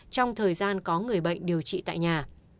trong thời gian có người bệnh điều trị tại nhà